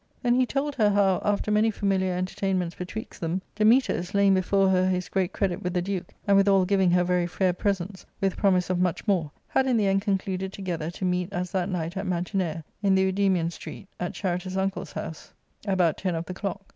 Then he told her how, after many familiar entertainments betwixt them, Dametas, laying before her his great credit with the duke, and withal giving her very fair presents, with pro mise of much more, had in the end concluded together to meet as that night at Mantinea, in the Oudemian street, at Charita's uncle*s house, about ten of the clock.